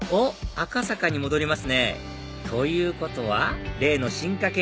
赤坂に戻りますね！ということは例の進化系